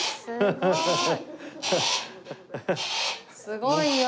すごいよ。